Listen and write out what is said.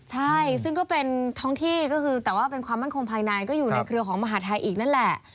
ใช่ซึ่งก็เป็นท้องที่ก็คือแต่ว่าเป็นความมั่นคงภายในก็อยู่ในเครือของมหาทัยอีกนั่นแหละ